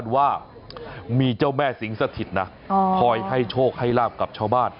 ว่ามีเจ้าแม่สิงสถิตนะคอยให้โชคให้ลาบกับชาวบ้าน